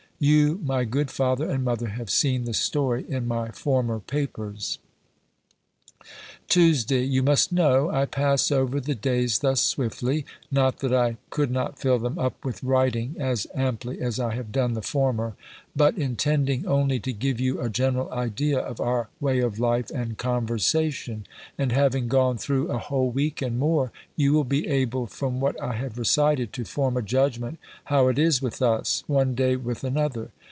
You, my good father and mother, have seen the story in my former papers. TUESDAY. You must know, I pass over the days thus swiftly, not that I could not fill them up with writing, as amply as I have done the former; but intending only to give you a general idea of our way of life and conversation; and having gone through a whole week and more, you will be able, from what I have recited, to form a judgment how it is with us, one day with another.